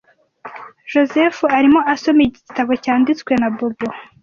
Joseph arimo asoma igitabo cyanditswe na bobo